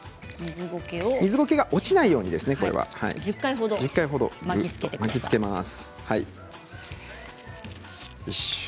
水ゴケが落ちないようにですね１０回ほど巻きつけます。